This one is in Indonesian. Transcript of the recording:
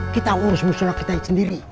kita urus musyola kita itu sendiri